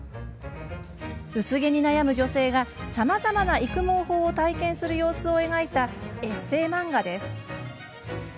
薄毛に悩む女性がさまざまな増毛法を体験する様子を描いたエッセー漫画です。